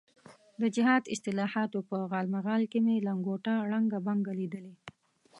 د جهاد اصطلاحاتو په غالمغال کې مې لنګوټه ړنګه بنګه لیدلې.